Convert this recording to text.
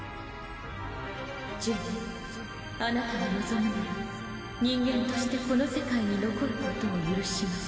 ジュネあなたが望むなら人間としてこの世界に残ることを許します。